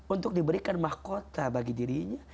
untuk diberikan mahkota bagi dirinya